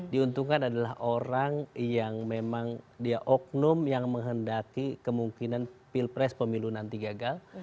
diuntungkan adalah orang yang memang dia oknum yang menghendaki kemungkinan pilpres pemilu nanti gagal